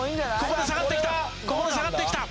ここで下がってきた。